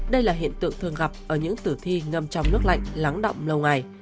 đây là hiện tượng thường gặp ở những tử thi ngâm trong nước lạnh lắng động lâu ngày